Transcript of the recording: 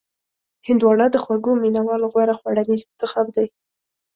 هندوانه د خوږو مینوالو غوره خوړنیز انتخاب دی.